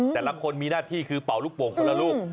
แต่ละคนมีหน้าที่คือเป่าลูกโป่งคนละลูก